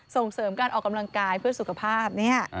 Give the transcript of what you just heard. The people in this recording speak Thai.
ส่งเสริมการออกกำลังกายเพื่อสุขภาพ